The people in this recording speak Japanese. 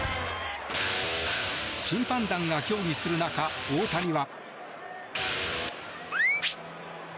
審判団が協議する中、大谷は。